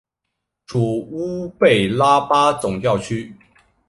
属乌贝拉巴总教区。